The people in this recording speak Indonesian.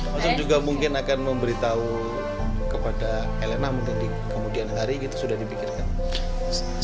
maksudnya juga mungkin akan memberitahu kepada elena mungkin di kemudian hari gitu sudah dipikirkan